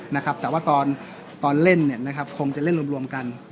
นะครับแต่ว่าตอนเล่นเนี่ยนะครับคงจะเล่นรวมกัน